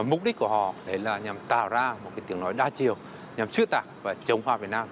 mục đích của họ đấy là nhằm tạo ra một tiếng nói đa chiều nhằm xuyên tạc và chống hoa việt nam